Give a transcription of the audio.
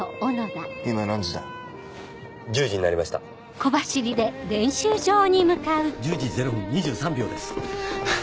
１０時０分２３秒ですハァ